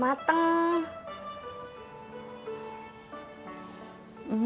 mak cari kue